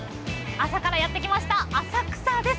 朝からやってきました浅草です。